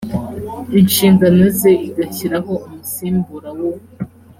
inshingano ze igashyiraho umusimbura wo